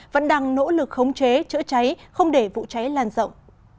vẫn đang nỗ lực khống chế chữa cháy không để vụ cháy lan rộng